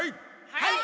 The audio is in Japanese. はい！